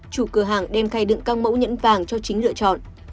chủ cửa hàng đem khai đựng các mẫu nhẫn vàng cho chính lựa chọn